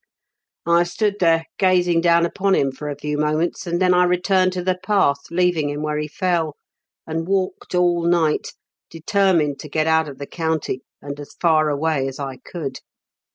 I stood there, gazing down upon him, for a few moments, and then I returned to the path, leaving him where he fell, and walked all night, determined to get out of the county, and as far away as I could.